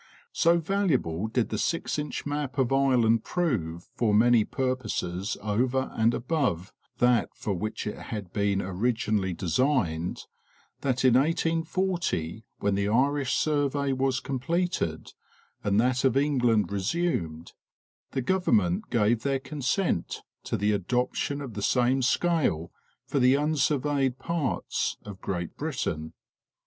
So valuable did the six inch map of Ireland prove for many purposes over and above that for which it had been originally designed, that, in 1840, when the Irish survey was completed, and that of England resumed, the Government gave their consent to the adoption of the same scale for the unsurveyed parts of Great Britain.